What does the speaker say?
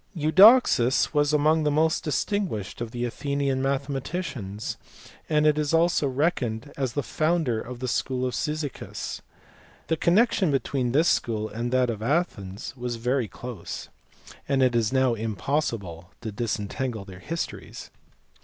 , Eudoxus, who was among the most distinguished of the Athenian mathematicians, is also reckoned as the founder of the school at Cyzicus. The connection between this school and that of Athens was very close, and it is now impossible to disentangle their histories.